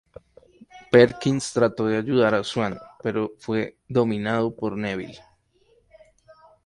Perkins trató de ayudar a Swann, pero fue dominado por Neville.